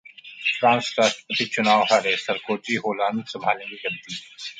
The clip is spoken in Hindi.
फ्रांस राष्ट्रपति चुनावः हारे सरकोजी, होलांद संभालेंगे गद्दी